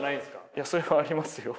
いやそれはありますよ。